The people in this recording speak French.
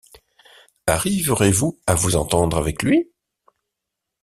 Arriverez-vous à vous entendre avec lui ?